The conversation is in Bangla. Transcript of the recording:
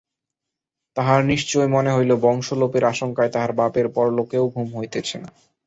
তাহার নিশ্চয় মনে হইল বংশলোপের আশঙ্কায় তাহার বাপের পরলোকেও ঘুম হইতেছে না।